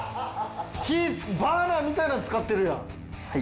火バーナーみたいなん使ってるやん。